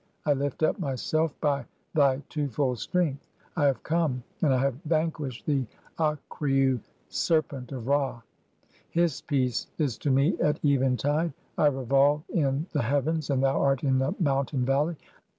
I lift up myself by [thy] two "fold strength, I have come, (9) and I have vanquished the "Akriu serpent of Ra. His peace is to me at eventide ; I re "volve in (10) the heavens and thou art in the mountain valley.